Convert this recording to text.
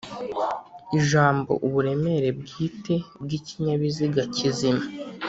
Ijambo "uburemere bwite bw'ikinyabiziga kizima